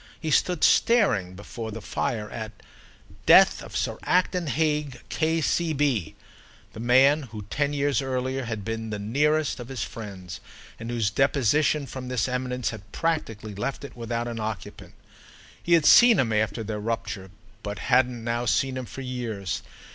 He stood staring, before the fire, at the "Death of Sir Acton Hague, K.C.B.," the man who ten years earlier had been the nearest of his friends and whose deposition from this eminence had practically left it without an occupant. He had seen him after their rupture, but hadn't now seen him for years.